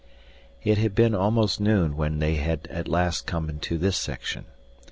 It had been almost noon when they had at last come into this section.